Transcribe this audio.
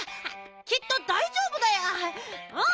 きっとだいじょうぶだようん！